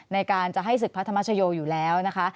ในการจะให้ศึกพระธรรมชโยอยู่แล้วนะคะ